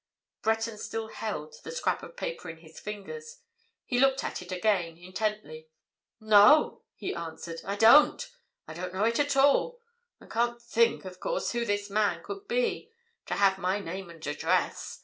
Breton still held the scrap of paper in his fingers. He looked at it again, intently. "No!" he answered. "I don't. I don't know it at all—I can't think, of course, who this man could be, to have my name and address.